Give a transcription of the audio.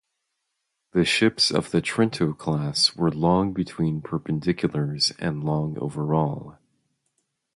The ships of the "Trento" class were long between perpendiculars and long overall.